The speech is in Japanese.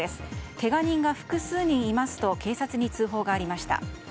けが人が複数人いますと警察に通報がありました。